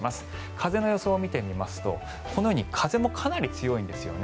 風の予想を見てみますと風もかなり強いんですよね。